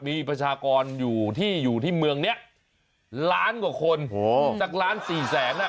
มีประชากรอยู่ที่เมืองเนี่ยล้านกว่าคนสักล้านสี่แสน